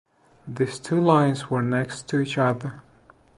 These two lines were next to each other.